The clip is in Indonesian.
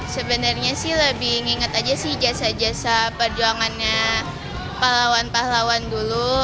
sebenarnya sih lebih nginget aja sih jasa jasa perjuangannya pahlawan pahlawan dulu